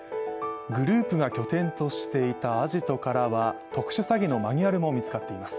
グループが拠点としていたアジトからは特殊詐欺のマニュアルも見つかっています。